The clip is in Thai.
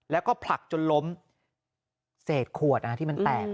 แล้วก็ผลักจนล้มเศษขวดที่มันแตก